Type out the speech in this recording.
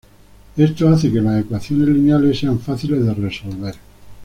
Esto hace que las ecuaciones lineales sean fáciles de resolver.